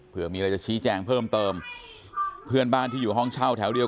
เพื่อมีอะไรจะชี้แจงเพิ่มเติมเพื่อนบ้านที่อยู่ห้องเช่าแถวเดียว